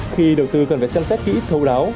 khi đầu tư cần phải xem xét kỹ thấu đáo